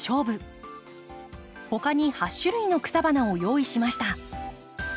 他に８種類の草花を用意しました。